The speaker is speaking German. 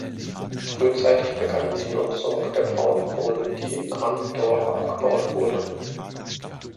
Frühzeitig begann die Nutzung der Braunkohle, die in Ammendorf abgebaut wurde.